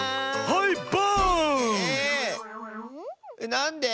なんで？